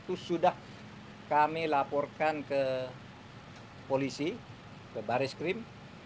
itu sudah kami laporkan ke polisi ke baris krim